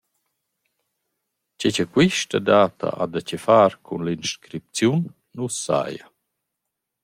Che cha quista data ha da chefar cun l’inscripziun nu’s saja.